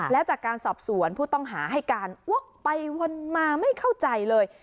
และจากการสอบสวนผู้ต้องหาให้การวกไปวนมาไม่เข้าใจเลย